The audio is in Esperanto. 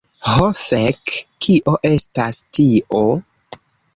Ho fek. Kio estas tio?